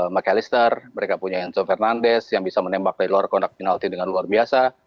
mccallister mereka punya enzo fernandes yang bisa menembak dari luar kontak penalti dengan luar biasa